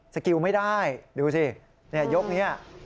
สกิลไม่ได้ดูสิยกนี้